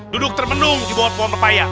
duduk termenung di bawah puan papaya